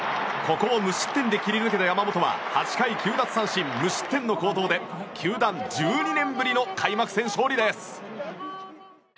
ここを無失点で切り抜けた山本は８回９奪三振、無失点の好投で球団１２年ぶりの開幕戦勝利です。